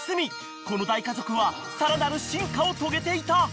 この大家族はさらなる進化を遂げていた］